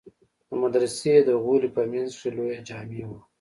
د مدرسې د غولي په منځ کښې لويه جامع وه.